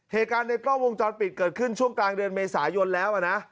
เหตุการณ์ในกล้องวงจรปิดเกิดขึ้นช่วงกลางเดือนเมษายนแล้วนะ